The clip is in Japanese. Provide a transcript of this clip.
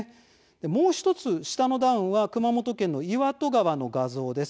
もう１つ熊本県の岩戸川の画像です。